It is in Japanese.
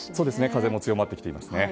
風も強まってきていますね。